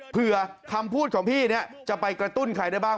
เผื่อคำพูดของพี่จะไปกระตุ้นใครได้บ้าง